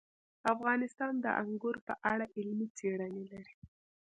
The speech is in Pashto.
افغانستان د انګور په اړه علمي څېړنې لري.